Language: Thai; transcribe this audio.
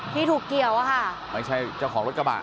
ที่ถูกเกี่ยวอะค่ะไม่ใช่เจ้าของรถกระบะ